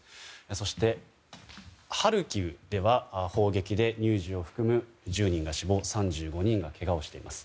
そして、ハルキウでは砲撃で乳児を含む１０人が死亡３５人がけがをしています。